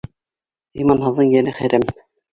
Иманһыҙҙың йәне хәрәм.